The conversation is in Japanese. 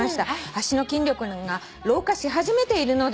「足の筋力が老化し始めているのでしょうか」